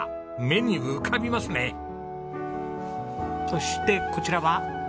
そしてこちらは。